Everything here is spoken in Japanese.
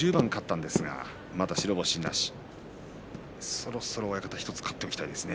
そろそろ１つ勝っておきたいですね